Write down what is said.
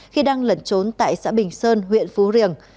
khi đang lẩn trốn tại xã bình sơn huyện phú riềng